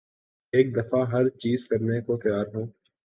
ایک دفعہ ہر چیز کرنے کو تیار ہوں